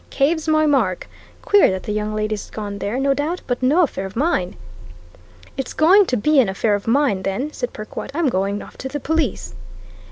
Cave's my mark! Queer that the young lady's gone there, no doubt, but no affair of mine." "It's going to be an affair of mine, then," said Perkwite. "I'm going off to the police!"